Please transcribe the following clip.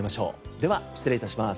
では失礼致します。